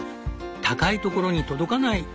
「高いところに届かない！」